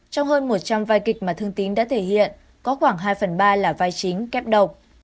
trong hơn một trăm linh vai kịch mà thương tính đã thể hiện có khoảng hai phần ba là vai chính kép độc